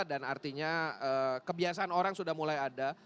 dan artinya kebiasaan orang sudah mulai ada